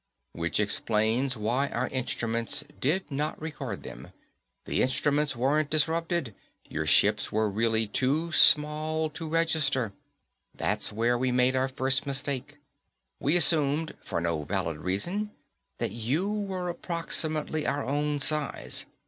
_ "Which explains why our instruments did not record them; the instruments weren't disrupted, your ships were really too small to register. That's where we made our first mistake. We assumed, for no valid reason, that you were approximately our own size.